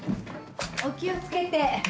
お気をつけて。